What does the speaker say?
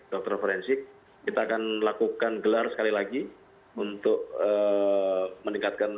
dokter forensik kita akan lakukan gelar sekali lagi untuk meningkatkan